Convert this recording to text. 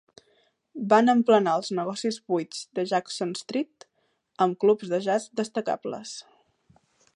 Van emplenar els negocis vuits de Jackson Street amb clubs de jazz destacables.